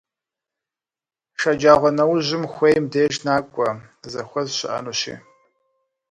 Шэджагъуэнэужьым хуейм деж накӀуэ, зэхуэс щыӀэнущи.